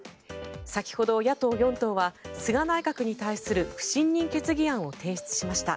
先ほど、野党４党は菅内閣に対する不信任決議案を提出しました。